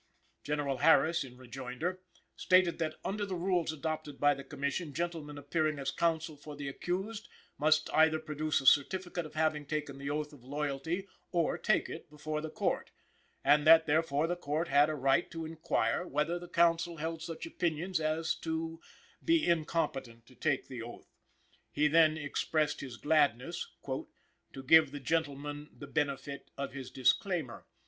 General Harris, in rejoinder, stated that under the rules adopted by the Commission gentlemen appearing as counsel for the accused must either produce a certificate of having taken the oath of loyalty or take it before the Court, and that therefore the Court had a right to inquire whether counsel held such opinions as to be incompetent to take the oath. He then expressed his gladness "to give the gentleman the benefit of his disclaimer.